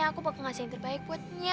aku bakal ngasih yang terbaik buatnya